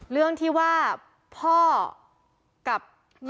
เรื่องที่ว่าพ่อกับแม่